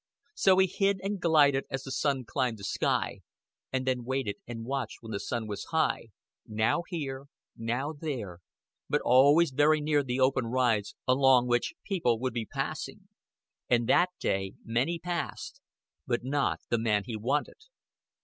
So he hid and glided as the sun climbed the sky, and then waited and watched when the sun was high, now here, now there, but always very near the open rides along which people would be passing. And that day many passed, but not the man he wanted.